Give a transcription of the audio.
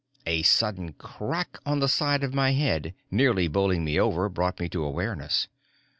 A sudden crack on the side of my head, nearly bowling me over, brought me to awareness.